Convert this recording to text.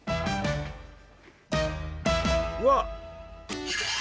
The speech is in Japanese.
うわっ！